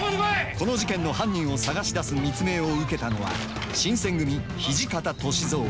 この事件の犯人を探し出す密命を受けたのは新選組土方歳三。